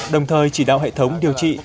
đồng thời chỉ đạo hệ thống điều trị